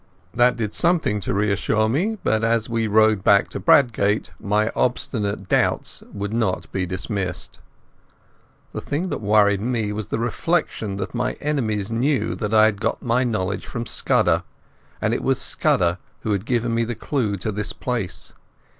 That did something to reassure me, but as we rowed back to Bradgate my obstinate doubts would not be dismissed. The thing that worried me was the reflection that my enemies knew that I had got my knowledge from Scudder, and it was Scudder who had given me the clue to this place.